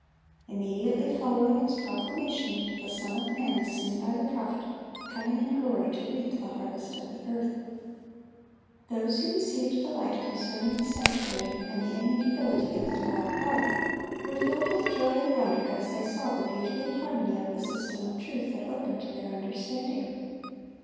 Immediately following its proclamation, the Son of man is seen by the prophet, coming in glory to reap the harvest of the earth. Those who received the light concerning the sanctuary and the immutability of the law of God, were filled with joy and wonder, as they saw the beauty and harmony of the system of truth that opened to their understanding.